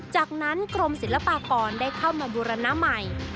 จากนั้นกรมศิลปากรได้เข้ามาบูรณใหม่